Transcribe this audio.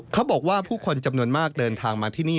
เขาบอกว่าผู้คนจำนวนมากเดินทางมาที่นี่